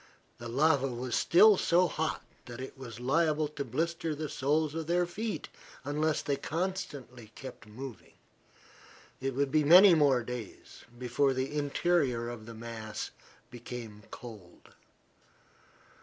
The lava was still so hot that it was liable to blister the soles of their feet unless they kept constantly moving. It would be many more days before the interior of the mass became cold.